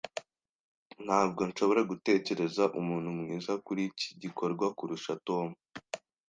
Ntabwo nshobora gutekereza umuntu mwiza kuriki gikorwa kurusha Tom.